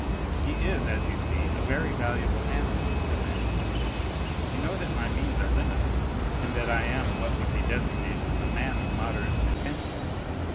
"He is, as you see, a very valuable animal," said Maximilian. "You know that my means are limited, and that I am what would be designated a man of moderate pretensions.